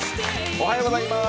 おはようございます。